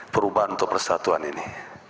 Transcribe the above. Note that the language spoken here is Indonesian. perubahan untuk persatuan ini